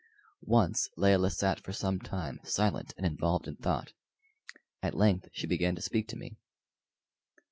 Once Layelah sat for some time silent and involved in thought. At length she began to speak to me.